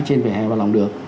trên vỉa hè lòng đường